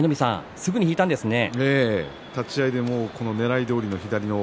すぐに引いたんですね。